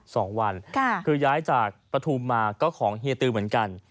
สองวันค่ะคือย้ายจากปฐุมมาก็ของเฮียตือเหมือนกัน